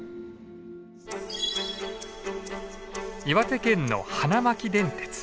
岩手県の花巻電鉄。